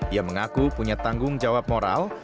ia mengaku punya tanggung jawab moral